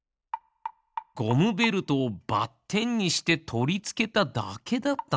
ゴムベルトをばってんにしてとりつけただけだったんです。